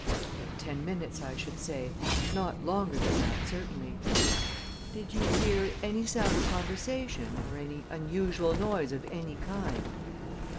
"About ten minutes, I should say; not longer than that, certainly." "Did you hear any sound of conversation, or any unusual noise of any kind?"